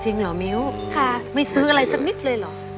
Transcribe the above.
เหรอมิ้วไม่ซื้ออะไรสักนิดเลยเหรอ